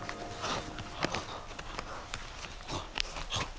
あっ。